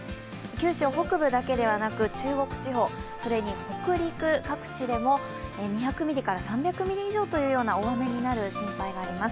九州北部だけではなく中国地方それに北陸各地でも２００ミリから３００ミリ以上となる大雨になる心配があります。